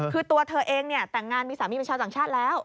คือตัวเธอเองเนี่ยแต่งงานมีสามีเป็นชาวต่างชาติแล้ว